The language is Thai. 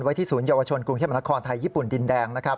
ไว้ที่ศูนย์เยาวชนกรุงเทพมนาคอลไทยญี่ปุ่นดินแดง